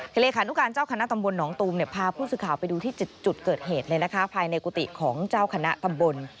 เลขานุการเจ้าคณะตำบลหนองตูมพาผู้สื่อข่าวไปดูที่จุดเกิดเหตุเลยนะคะภายในกุฏิของเจ้าคณะตำบล